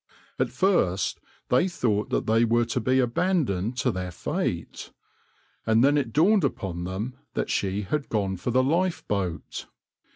At first they thought that they were to be abandoned to their fate, and then it dawned upon them that she had gone for the lifeboat.